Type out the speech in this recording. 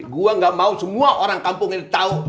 gue gak mau semua orang kampung ini tahu